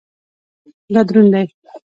دا دروند دی